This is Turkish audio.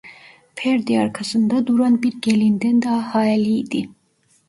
Perde arkasında duran bir gelinden daha hayalı idi.